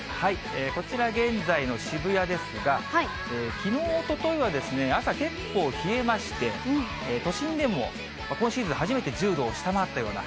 こちら、現在の渋谷ですが、きのう、おとといは朝、結構冷えまして、都心でも今シーズン初めて１０度を下回ったような。